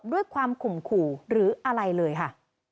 ด้วยความขุมขู่หรืออะไรเลยค่ะ